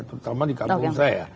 terutama di kampung saya